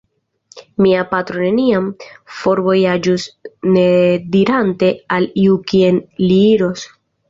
Mia patro neniam forvojaĝus nedirante al iu kien li iros.